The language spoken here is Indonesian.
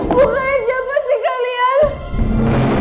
bukain siapa sih kalian